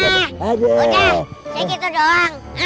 udah segitu doang